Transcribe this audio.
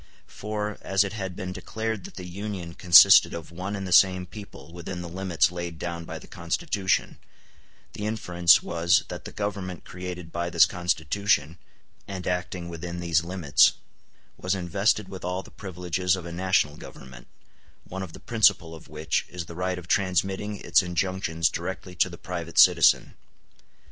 For, as it had been declared that the Union consisted of one and the same people within the limits laid down by the Constitution, the inference was that the Government created by this Constitution, and acting within these limits, was invested with all the privileges of a national government, one of the principal of which is the right of transmitting its injunctions directly to the private citizen.